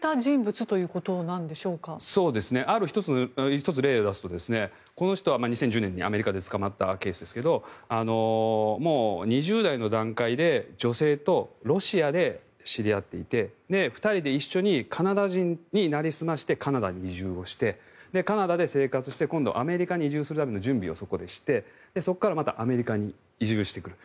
ある１つ、例を出すとこの人は２０１０年にアメリカで捕まったケースですがもう２０代の段階で女性とロシアで知り合っていて２人で一緒にカナダ人になりすましてカナダに移住をしてカナダで生活して今度、アメリカに移住するための準備をそこでしてそこからまたアメリカに移住してくる。